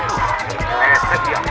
lu ketuosis masa kalah sih